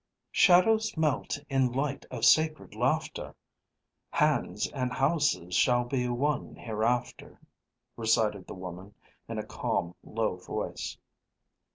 "Shadows melt in light of sacred laughter, Hands and houses shall be one hereafter." recited the woman in a calm, low voice.